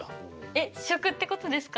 えっ試食ってことですか？